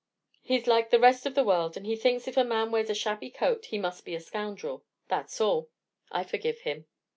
He's like the rest of the world, and he thinks if a man wears a shabby coat, he must be a scoundrel; that's all. I forgive him."